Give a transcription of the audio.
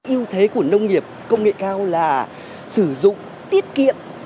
ưu thế của nông nghiệp công nghệ cao là sử dụng tiết kiệm